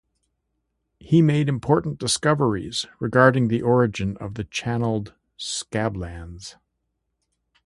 He made important discoveries regarding the origin of the Channeled Scablands.